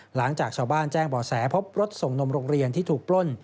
หลังจากชาวบ้านแจ้งบ่อแสพบรถส่งนมโรงเรียนที่ถูกปล้น